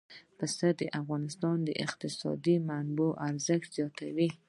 پسه د افغانستان د اقتصادي منابعو ارزښت زیاتوي.